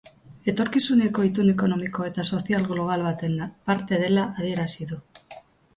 Etorkizuneko itun ekonomiko eta sozial global baten parte dela adierazi du.